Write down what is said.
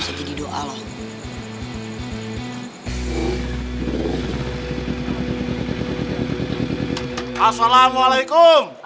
assalamualaikum warahmatullahi wabarakatuh